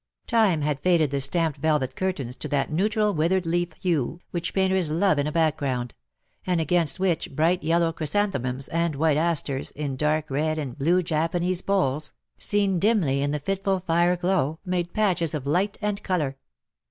Time had faded the stamped velvet curtains to that neutral withered leaf hue which painters love in a background, and against which bright yellow chrysanthemums and white asters in dark red and blue Japanese bowls_, seen dimly in the fitful fire glow, made patches of light and colour.